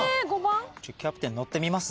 キャプテン乗ってみます？